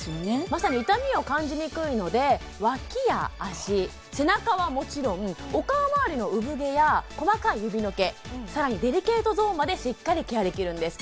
まさに痛みを感じにくいのでワキや脚背中はもちろんお顔まわりの産毛や細かい指の毛更にデリケートゾーンまでしっかりケアできるんです